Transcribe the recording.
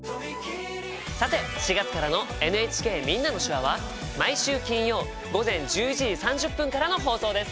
さて４月からの「ＮＨＫみんなの手話」は毎週金曜午前１１時３０分からの放送です。